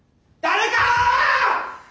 誰か！